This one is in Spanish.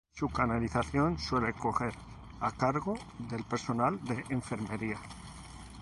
Su canalización suele correr a cargo del personal de enfermería.